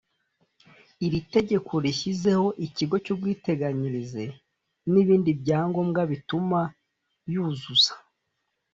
iri tegeko rishyizeho ikigo cy ubwiteganyirize n ibindi bya ngombwa bituma yuzuza